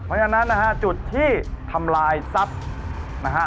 เพราะฉะนั้นนะฮะจุดที่ทำลายทรัพย์นะฮะ